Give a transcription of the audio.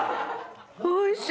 おいしい！